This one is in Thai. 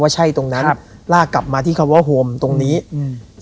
ใช่ตรงนั้นครับลากกลับมาที่คำว่าโฮมตรงนี้อืม